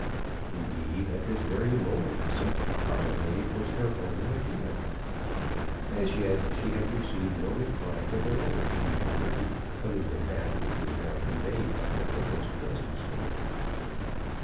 Indeed, at this very moment such, probably, was her own idea. As yet she had received no reply to the letter she had written other than that which was now conveyed by her uncle's presence.